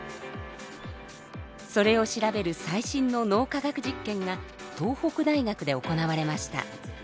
それを調べる最新の脳科学実験が東北大学で行われました。